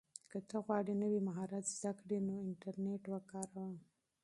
که ته غواړې نوی مهارت زده کړې نو انټرنیټ وکاروه.